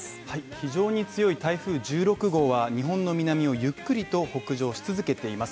非常に強い台風１６号は日本の南をゆっくりと北上し続けています。